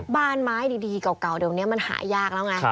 บ้านไม้ดีเก่าเดี๋ยวนี้มันหายากแล้วไง